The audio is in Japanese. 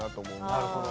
なるほど。